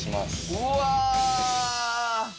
うわ！